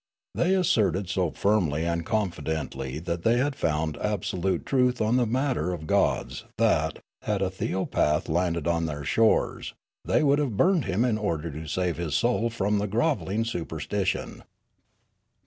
They asserted so firmly and confidently that they had found absolute truth on this matter of gods that, had a 354 Riallaro theopath landed on their shores, they would have burned him in order to save his soul from the grovel ling superstition.